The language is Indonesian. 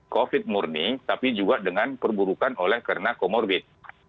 covid murni tapi juga dengan perburukan oleh karena comorbid